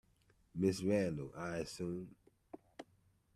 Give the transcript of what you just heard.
Ms Randall, I assume?